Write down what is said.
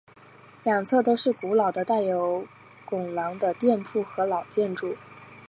两侧都是古老的带有拱廊的店铺和老建筑。